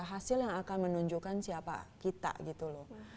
hasil yang akan menunjukkan siapa kita gitu loh